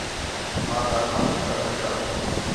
ماک آکھام فکر نہ کر